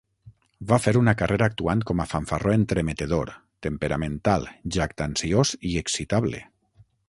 Va fer una carrera actuant com a fanfarró entremetedor, temperamental, jactanciós i excitable.